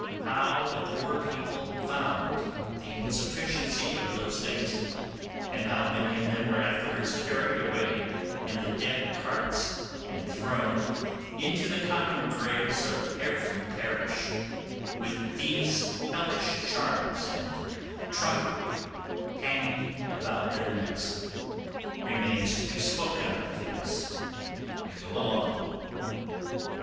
How the poor people found the insufficiency of those things, and how many of them were afterwards carried away in the dead carts and thrown into the common graves of every parish with these hellish charms and trumpery hanging about their necks, remains to be spoken of as we go along.